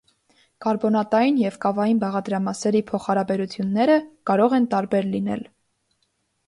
Կարբոնատային և կավային բաղադրամասերի փոխհարաբերությունները կարող են տարբեր լինել։